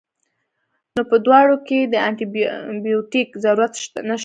نو پۀ دواړو کښې د انټي بائيوټک ضرورت نشته